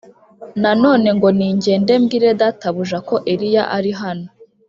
None ngo ningende mbwire databuja ko Eliya ari hano!